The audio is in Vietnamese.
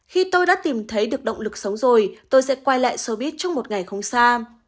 khi tôi đã tìm thấy được động lực xấu rồi tôi sẽ quay lại sobit trong một ngày không xa